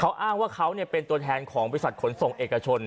เขาอ้างว่าเขาเป็นตัวแทนของบริษัทขนส่งเอกชน